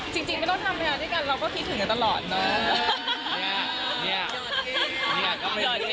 จริงไม่ต้องทำพยาด้วยกันเราก็คิดถึงกันตลอดเนาะ